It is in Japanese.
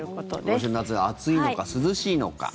今年の夏は暑いのか、涼しいのか。